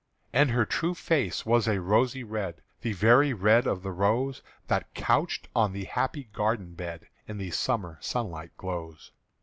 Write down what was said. And her true face was a rosy red, The very red of the rose That, couched on the happy garden bed, In the summer sunlight glows.